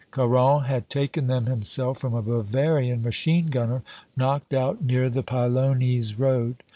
Caron had taken them himself from a Bavarian machine gunner, knocked out near the Pylones road.